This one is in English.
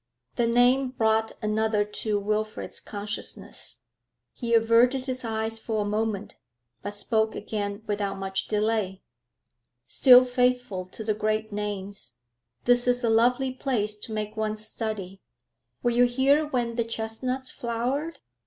The name brought another to Wilfrid's consciousness; he averted his eyes for a moment, but spoke again without much delay. 'Still faithful to the great names. This is a lovely place to make one's study. Were you here when the chestnuts flowered?'